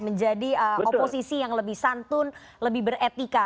menjadi oposisi yang lebih santun lebih beretika